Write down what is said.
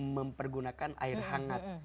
mempergunakan air hangat